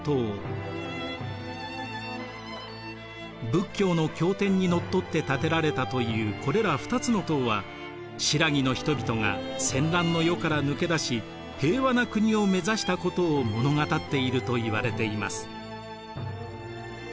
仏教の経典にのっとって建てられたというこれら２つの塔は新羅の人々が戦乱の世から抜け出し平和な国を目指したことを物語っているといわれています。